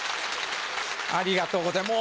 ありがとうございます。